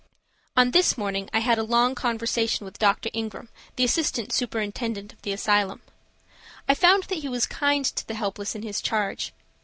On this morning I had a long conversation with Dr. Ingram, the assistant superintendent of the asylum. I found that he was kind to the helpless in his charge.